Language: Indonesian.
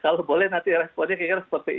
jadi kalau boleh nanti responnya kira kira seperti ini